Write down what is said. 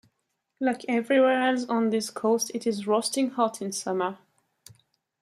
Like everywhere else on this coast it is roasting hot in summer.